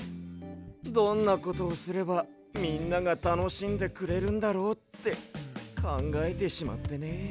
どんなことをすればみんながたのしんでくれるんだろうってかんがえてしまってね。